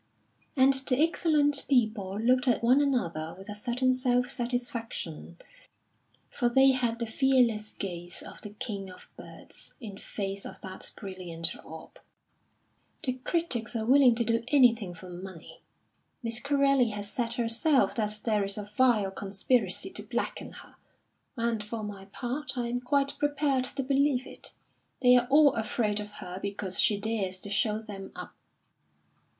And the excellent people looked at one another with a certain self satisfaction, for they had the fearless gaze of the king of birds in face of that brilliant orb. "The critics are willing to do anything for money. Miss Corelli has said herself that there is a vile conspiracy to blacken her, and for my part I am quite prepared to believe it. They're all afraid of her because she dares to show them up."